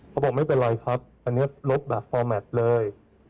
เขาบอกไม่เป็นไรครับอันนี้ลบแบบฟอร์แมทเลย